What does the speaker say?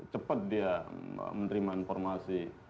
cepat dia menerima informasi